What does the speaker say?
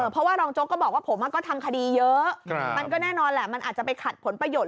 เพราะว่ารองโจ๊กก็บอกว่าผมก็ทำคดีเยอะมันก็แน่นอนแหละมันอาจจะไปขัดผลประโยชน